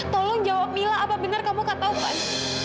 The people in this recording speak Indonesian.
tolong jawab mila apa benar kamu kak taufan